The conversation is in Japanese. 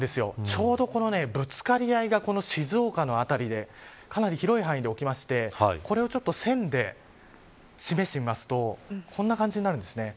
ちょうど、ぶつかり合いがこの静岡の辺りでかなり広い範囲で起きましてこれを線で示してみるとこんな感じになるんです。